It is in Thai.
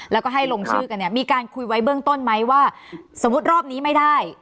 แล้วก็ให้ลงชื่อกันเนี่ยมีการคุยไว้เบื้องต้นไหมว่าสมมุติรอบนี้ไม่ได้